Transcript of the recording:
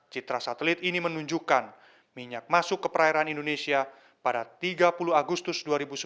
citra satelit ini menunjukkan minyak masuk ke perairan indonesia pada tiga puluh agustus dua ribu sembilan belas